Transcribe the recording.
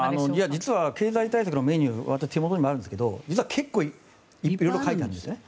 実は経済対策のメニュー私の手元にもあるんですが実は、結構色々、書いてあるんですね。